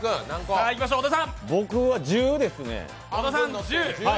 僕は１０ですね。